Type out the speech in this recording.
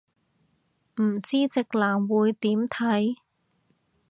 唔知直男會點睇